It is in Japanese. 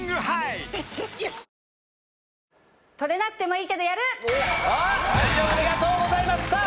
はい。